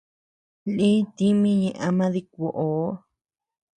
Lï tími ñeʼe ama dikuoʼoo.